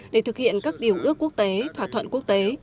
để thực hiện các điều ước quốc tế thỏa thuận quốc tế